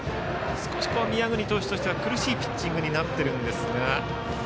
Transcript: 少し宮國投手としては苦しいピッチングになっています。